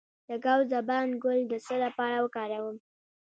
د ګاو زبان ګل د څه لپاره وکاروم؟